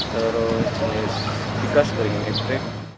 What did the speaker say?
terus jenis tikas dari indiprik